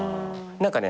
何かね